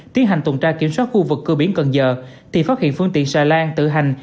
tiến hành tuần tra kiểm soát khu vực cưa biển cần giờ thì phát hiện phương tiện xà lan tự hành